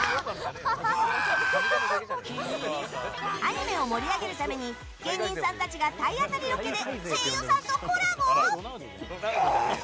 アニメを盛り上げるために芸人さんたちが体当たりロケで声優さんとコラボ？